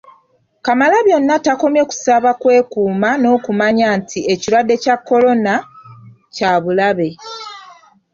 Kamalabyonna takooye kubasaba kwekuuma n'okumanya nti ekirwadde kya Corona kya bulabe